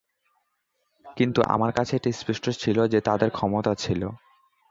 কিন্তু আমার কাছে এটা স্পষ্ট ছিল যে, তাদের ক্ষমতা ছিল।